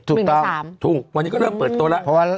ถูกต้องหนึ่งในสามถูกวันนี้ก็เริ่มเปิดตัวแล้วเพราะว่า